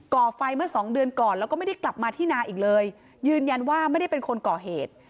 ่อไฟเมื่อสองเดือนก่อนแล้วก็ไม่ได้กลับมาที่นาอีกเลยยืนยันว่าไม่ได้เป็นคนก่อเหตุ